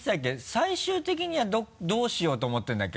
最終的にはどうしようと思ってるんだっけ？